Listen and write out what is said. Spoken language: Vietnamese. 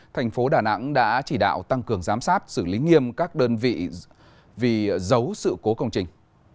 thành phố đà nẵng đã chỉ đạo tăng cường giám sát xử lý nghiêm các đơn vị vì giấu sự cố công trình